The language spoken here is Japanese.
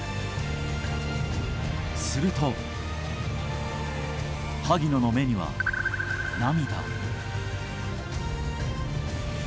すると萩野の目には、涙。